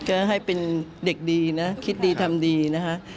ก็ให้เป็นเด็กดีนะคิดดีทำดีนะฮะ